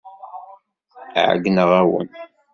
Ɛeyyneɣ-awen.